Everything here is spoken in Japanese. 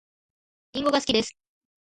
りんごが好きです